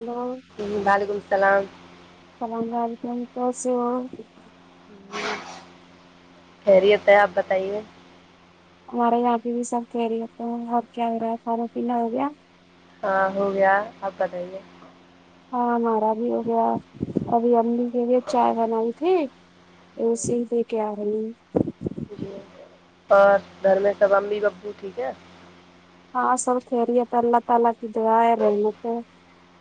ل جی وعلیکم السلام اسلام علیکم کیا سے ہو خیریت ہے آپ بتائیے ہمارے یہاں پہ بھی سب کہہ رہے ہوتے اور کیا ہو رہا ہے کھانا پینا ہو گیا ہاں ہو گیا آپ بتائیے ہاں ہمارا بھی ہو گیا ابھی امی کے لیے چائے بنائی تھی صی دے کیا رہ نہیں جی اور گھر میں سب امی ببو ٹھیک ہے ہاں سب خیریت اللہ تلہا ک دوے آ رہ مت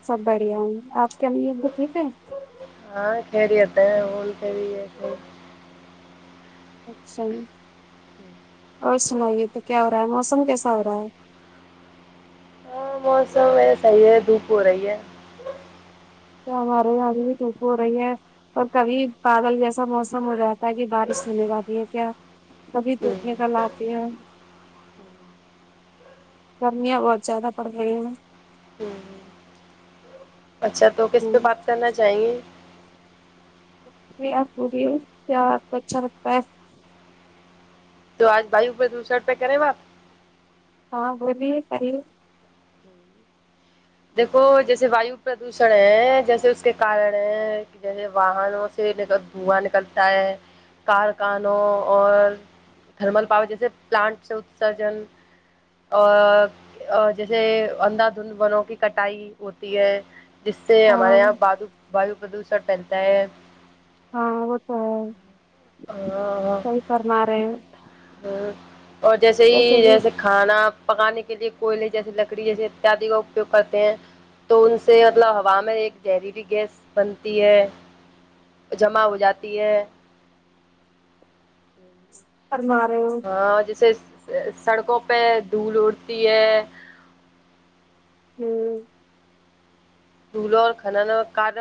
سب بڑھیا ہ آپ کے امی ابو ٹھیک ہے ہاں خیریت تھا ہیں ہووون خری اچھا جی اور سنائیے تو کیا ہو رہا ہے موسم کیسا ہو رہا ہے ہاں موسم میں صحیح ہے دھوپ ہو رہی ہے تو ہمارے یہاں بھی چپ ہو رہی ہے اور کبھی بادل جیسا موسم ہو رہاتا ہے کہ بارش نہیںل جاتی ہے کیا سبھی ہوں ٹوٹنے کا لاتے ہیں گرمیاں بہت زیادہ پڑ رہی ہیں ہوں اچھا تو کس پہ ہیں بات کرنا چاہیں گے آپ بھی آپ کو اچھا لگتا ہے تو آج بھائیوںوپہ دوسر پہ کرے وہاپ ہاں بولی پی دیکو جیسے وایو پردوشن ہے جیسے اس کے کارن ہے جیسے واہن ن دھواں نکلتا ہے کارکانوں اور تھرمل پاور جیسے پلاانٹ سے اتسرجن اور جیسے اندا دھند بنوں کی کٹائی ہوتی ہے جس سے ہمارے ہاں یہاں ویو پردوشن پھیلتا ہے ہاں وہ تو ہے صحیح کرنا رہے ہ اور جیسے ویسے ہی بھی جیسے کھانا پکانے کے لیے کوئل جیسے لکڑی جیسے اتیادی کا اپیوگ کرتے ہیں تو ان سے مطلب ہوا میں ایک جہریلی گیس بنتی ہے جمع ہو جاتی ہے فرما رہے ہو جیسے سڑکوں پہ دھول اڑتی ہے ہوں دھولوں اور خنن کار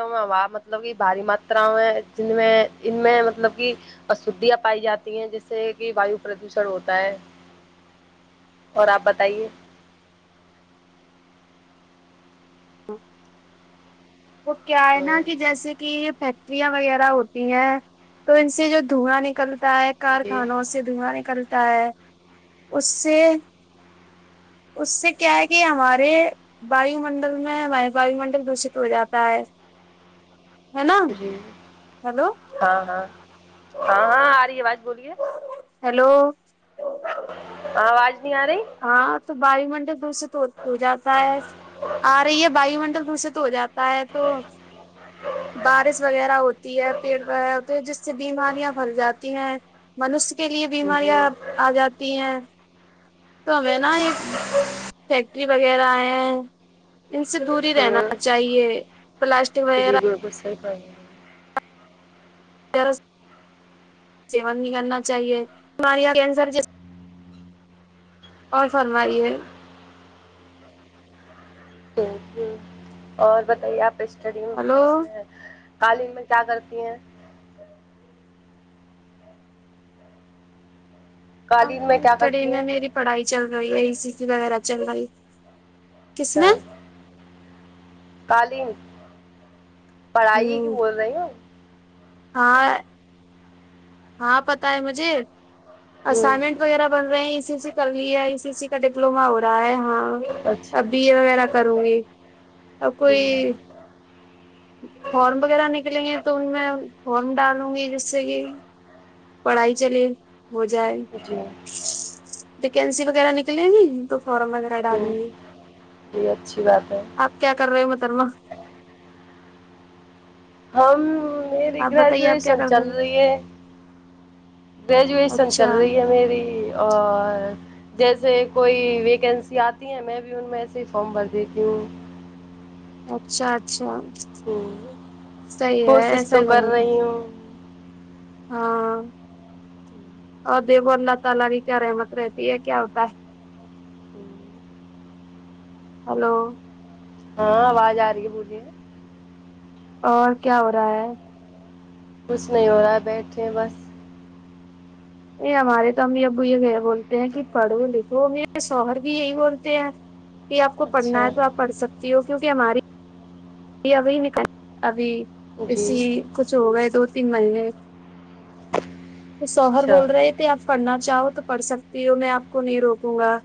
مطلب کی بھاری ماترا میں جن میں ان میں مطلب کی اشھیاں پائی جاتی ہیں جس سے کہ واو پردوشن ہوتا ہے اور آپ بتائیے وہ کیا ہے نا کہ جیسے کہ یہ بریاں وغیرہ ہوتی ہیں تو ان سے جو دھواں نکل تا ہے جی کارخانوں سے دھویا نکلتا ہے اس سے اس سے کیا ہے کہ ہمارے وایو منڈل میں وای منڈل دشت ہو جاتا ہے ہے نا جی ہیلو ہاں ہاں ہاں ہاں آ رہی ہے آواز بولیے ہیلو آواز نہیں آ رہی ہاں تو وایو منڈل دوسرے تو ہو جاتا ہے آ رہی ہے وایو منڈل دوسرے تو ہو جاتا تا ہے تو بارش وغیرہ ہوتی ہے پیڑ وغیرہ ہوتے جس سے بیماریاں پھیل جاتی ہیں منش کے لیے جی بیماریاں آ جاتی ہیں تو ہمیں نا ایک فیکٹری وغیرہ آئے ہیں ان سے دور ہی رہنا ہاں چاہیے پلاسٹک جی وغیرہ [unintelligible] سیون نہیں کرنا چاہیے بیماریاں کینسر جسی اور فرمائیے ہ ہ اور بتائیے آپ اسٹڈی ہلو اس میں قالین میں کیا کرتی ہیں ہاں قالین میں کیا اسٹڈی کرتی میں ہیں میری پڑھائی چل رہی اسی سی وغیرہ چل رہی کس میں اچھا کالین پڑھائی ہی ہوں بول رہی ہو ہاں ہاں پتہ ہے مجھے ہوں اسائنمنٹ وغیرہ بن رہے ہیں ای سی سی کر لیا ہے ای س سی کا ڈپلووما ہو رہا ہے ہاں اچھا اب بی اے وغیرہ کروں گی اور کوئی ہوں فارم وغیرہ نکلیں گے تو ان میں فارم ڈالوں گی جس سے کہ پڑھائی چلیے ہو جائے جی ویکینسی وغیرہ نکلیں گی تو فارم وغیرہ ڈالیں ہوں گے یہ اچھی بات ہے آپ کیا کر رہے ہو محترمہ ہم میری آپ بتائیے آپ کیا گریجویشن کر چل رہے ہو رہی ہے گریجویشن چل اچھا رہی ہے میری اور جیسے کوئی ویکینسی آتی ہے میں بھی ان میں ایسے ہی فارم بھر دیتی ہوں اچھا اچھا ہوں صحیح ہے کوشش ایسا تو ہی کر ہونا رہی ہوں ہاں اور دیکھو اللہ تعالی کی کیا رحمت ہوتی ہے کیا ہوتا ہے ہیلو ہاں آواز آ رہی ہے بولئے اور کیا ہو رہا ہے کچھ نہیں ہو رہا ہے بیٹھے ہے بس یہ ہمارے تو امی ابو یہ بولتے ہیں کہ پڑھو لکھو اور شوہر بھی یہی بولتے ہیں کہ آپ کو پڑھنا اچھا ہے تو آپ پڑھ سکتی ہو کیونکہ ہماری یہ ابھی نکل ابھی اسی جی کچھ ہو گئے دو تین مہینے توشوہر اچھا بول رہے آپ پڑھنا چاہو تو پڑھ سکتی ہو میں آپ کو نہیں روکوں گا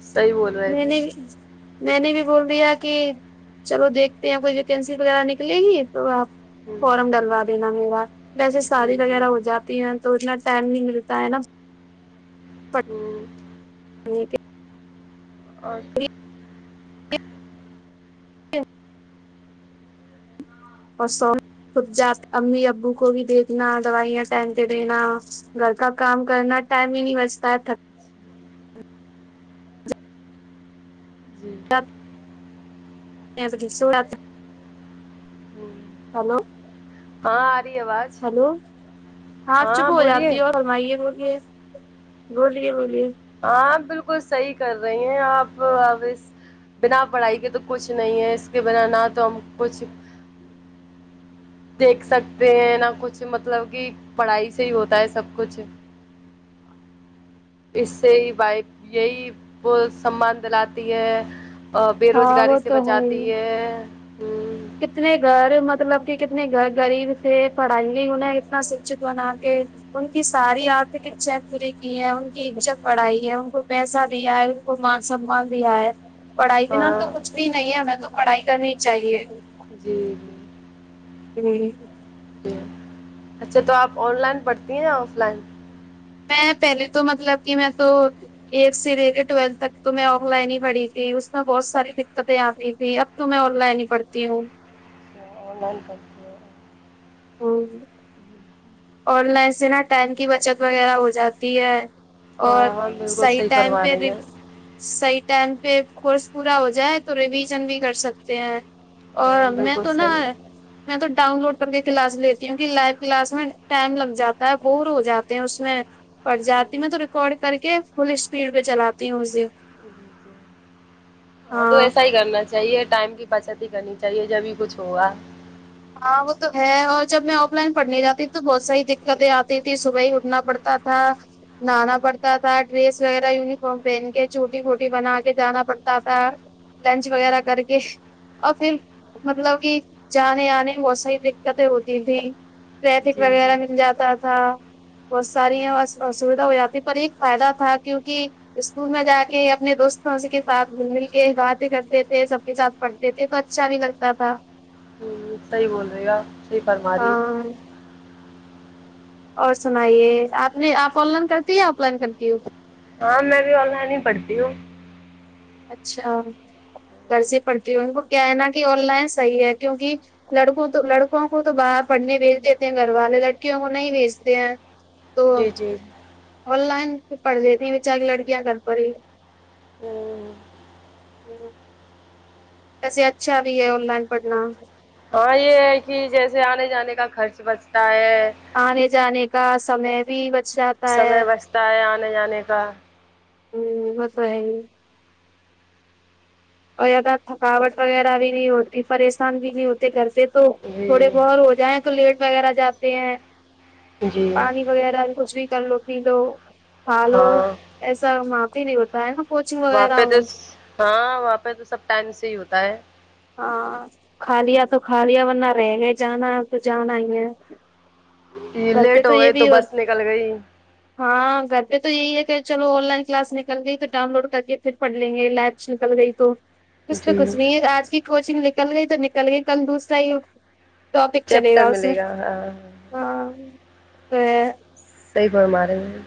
صحیح بولے میں نے میں نے بھی بول دیا کہ چلو دیکھتے ہیں کوئی ویکینسی وغیرہ نکلے گی تو آپ ہوں، فورن ڈلوا دینا میوا ویسے جی شادی جی وغیرہ ہو جاتی تو اتنا ٹائم نہیں ملتا ہے نا ہ [unintelligible] اور لیے اور سو خود ج امی ابو کو بھی دیکھنا دوائیاں ٹائم پ دینا گھر کا کام کرنا ٹائم ہی نہیں بچتا ہے تھک جی ہ ہلو [unintelligible] [inaudible] ہاں ارہی اواز ہیلو ہاں چپ ہو جاتی ہو سمئیے بولیے بولیے بولیے آپ بالکل صحیح کر رہی ہیں آپ ا بنا پڑھائی کے تو کچھ نہیں ہے اس کے بنا نہ تو ہم کچھ دیکھ سکتے ہیں نہ کچھ مطلب کہ پڑھائی سے ہی ہوتا ہے سب کچھ اس سے ہی بائ یہی وہ سمان دلاتی ہے بے ہاں روزگاری وہ سے تو ہے ہی بچاتی ہے ہ کتنے گھر مطلب کہ کتنے گھر غریب تھے پڑھائی ہو انہیں اتنا شکچت بنا کے ان کی ساری آرتک اچھاائیں پوری کی ہیں ان کی عزت بڑھائی ہے ان کو پیسہ دیا ہے اور مان سمان دیا ہے پڑھائی بنا تو ہاں کچھ بھی نہیں ہے ہمیں تو پڑھائی کرنی چاہیے جی وہی تو ج اچھا تو آپ آن لائن پڑھتی ہیں یا آف لائن میں پہلے تو مطلب کہ میں تو ایڑتھ سے لے کے ٹویلتھ تک تو میں آن لائن ہی پڑھی تھی اس میں بہت ساری دقتیں آ رہی تھی اب تو میں آن لائن ہی پڑھتی ہوں آن لائن کر ہاں آن لائن سے نا ٹائم کی بچت وغیرہ ہو جاتی ہے اور ہاں ہاں بالکل صحیح ٹائم فرما پہ رہی ہیں صحیح ٹائم پہ کورس پورا ہو جائے تو ریویژن بھی کر سکتے ہیں ہاں اور میں بالکل تو نا صحیح میں تو ڈاؤن لوڈ کر کے کلاس لیتی ہوں کہ لائو کلاس میں ٹائم لگ جاتا ہے بور ہو جاتے ہیں اس میں پڑ جی جاتی میں تو ریکارڈ کر کے فل اسپیڈ پہ چلاتی ہوں اسے جی ہاں تو ایسا ہی کرنا چاہیے ٹائم کی بچت ہی کرنی چاہیے جب بھی کچھ ہوا ہاں وہ تو ہے اور جب میں آف لائن پڑھنے جاتی تھی تو بہت ساری دقتیں آتی تھی صبح ہی اٹھنا پڑتا ہاں نہانا پڑتا تھا ڈریس وغیرہ ینیفارم پہن کے چھوٹی موٹی بنا کے جانا پڑتا تھا لنچ وغیرہ کر کے اور پھر مطلب کہ جانے آنے بہت ساری دقتیں ہوتی تھی ٹریفک جی جی وغیرہ مل جاتا تھا بہت ساری ہیںسویدھا ہو جاتی ہے پر ایک فائدہ تھا کیونکہ اسکول میں جا کے اپنے دوستوں کے ساتھ مل مل کے باتیں کرتے تھے سب کے ساتھ پڑتے تھے تو اچھا بھی لگتا تھا ہوں صحیح بول رہے ہو آپ صحیح فرما رہی ہے ہاں اور سنائیے آپ نے آپ آن لائن کرتی یا آف لائن کرتی ہو ہاں میں بھی آن لائن ہی پڑھتی ہوں اچھا گھر سے ہی پڑتی ہوں ان کو کیا ہے نا کہ آن لائن صحیح ہے کیونکہ لڑکوں تو لڑکوں کو تو باہر پڑھنے بھیج دیتے ہیں گھر والے لڑکیوں کو نہیں بھیجتے ہیں تو جی جی آن لائن پڑھ دیتی ہیں بیچاری کی لڑکیاں گھر پر ہی ہوں ہوں ویسے اچھا بھی ہے آن لائن پڑھنا ہاں یہ ہے کہ جیسے آنے جانے کا خرچ بچتا ہے آنے جانے کا سمے بھی بچ جاتا ہے سمے بچتا ہے آنے جانے کا ہوں وہ تو ہے ہی اور زیادہ تھکاوٹ وغیرہ بھی نہیں ہوتی پریشان بھی نہیں ہوتے گھر سے تو تھوڑے جی بور ہو جائیں تو لیٹ وغیرہ جاتے ہیں جی پانی وغیرہ کچھ بھی کر لو پی لو کھا لو ہاں ایسا وہاں پے نہیں ہوتا ہے نا کوچنگ وہاں پہ وغیرہ تو میں ہاں وہاں پہ تو سب ٹائم سے ہی ہوتا ہے ہاں کھالیا تو کھالیا ورنہ رہ گئے جانا تو جانا ہی ہے یہ گھر پہ لیٹ ہو یہ گئے تو بھی بس نکل گئی ہاں گھر پہ تو یہی ہے کہ چلو آن لائن کلاس نکل گئی تو ڈاؤن لوڈ کریے پھر پڑ لیں گے لپس نکل گئی تو کچھ تو جی کچھ نہیں ہے آج کی کوچنگ نکل گئی تو نکل گئی کل دوسرا ہی ہو ٹاپک چلے چیپٹر گا اس میں ملے ہاں ہاں تو صحیح فرما رہی ہے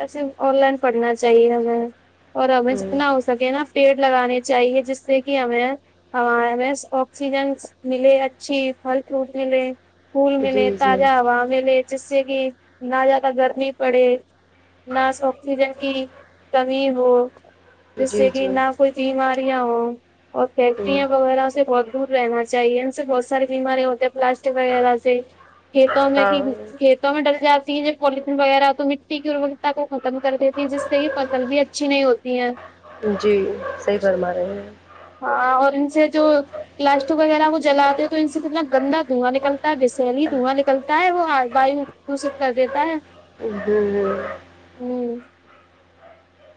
ایسے آن لائن پڑھنا چاہیے ہمیں اور ہمیں ہیں جتنا سے نا پیڑ لگانے چاہیے جس سے کی ہمیں ہاں بیسٹ آکسیجن ملے اچھی پھل فروٹ ملے پھول جی ملے جی تازہ ہوا ملے جس سے کی نہ زیادہ گرمی پڑے نہ آکسیجن کی کمی ہو جس جی سے کی جی نہ کوئی بیماریاں ہو اور فیکٹریاں وغیرہ سے بہت دور رہنا چاہیے ان سے بہت ساری بیماری ہوتے ہیں پلاسٹک وغیرہ سے کھیتوں میں ہاں کی کھیتوں میں ڈل جاتی ہے پولٹھیں وغیرہ تو مٹی کی رول تا کو ختم کر دیتی ہے جس سے ہی فصل بھی اچھی نہیں ہوتی ہے جی صحی فرما رہے ہیں ہاں اور ان سے جو پلاسٹک وغیرہ وہ جلاتے ہیں تو ان سے کتنا گندا دھواں نکلتا ہے وشیلی دھواں نکلتا ہے وہ آ وایو دوشد کر دیتا ہے [unintelligible] آمم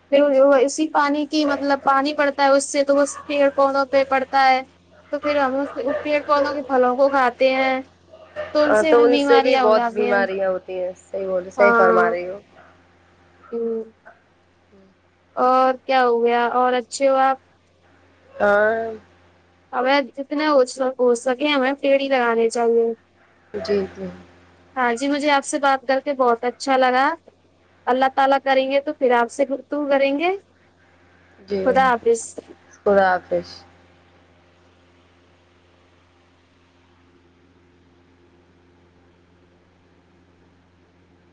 پھر اسی پانی کی مطلب پانی پڑتا ہے اس سے تو اسی پیڑ پودوں پے پڑتا ہے تو پھر ہم اس پیڑ پودوں کے پھلوں کو کھاتے ہیں ہاں تو ہمیں ان سے بھی بیماریاں ہو بہت جاتی ہیں بیماریاں ہوتی ہیں صحیح بولرے صحیح فرما رہے ہو ہمم اور کیا ہو گیا اور اچھے ہو آپ ہاں ہمیں جتنے ہو س سکے ہمیں پیڑ ہی لگانے چاہیے جی جی ہاں جی مجھے آپ سے بات کر کے بہت اچھا لگا اللہ تعالی کریں گے تو پھر آپ سے تو گفتگو کریں گے جی خدا حافظ خدا حافظ